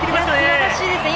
すばらしいですね。